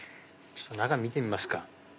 中見てみますか？